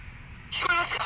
聞こえますが。